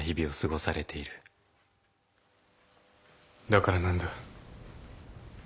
だから何だ。